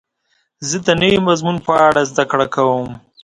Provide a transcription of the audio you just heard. زه د نوي مضمون په اړه زده کړه کوم.